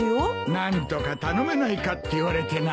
何とか頼めないかって言われてな。